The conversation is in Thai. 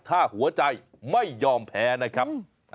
ถ้าหัวใจไม่ยอมแพ้นะครับ